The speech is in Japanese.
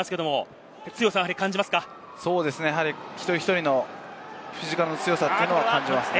一人一人のフィジカルの強さは感じますね。